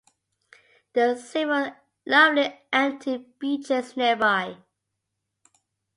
There are several lovely empty beaches nearby.